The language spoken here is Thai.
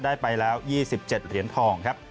ได้ไปแล้ว๒๗เหรียญทองครับ